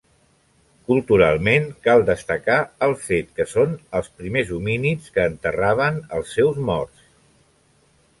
Culturalment, cal destacar el fet que són els primers homínids que enterraven els seus morts.